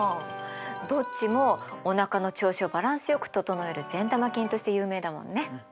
どっちもおなかの調子をバランスよく整える善玉菌として有名だもんね。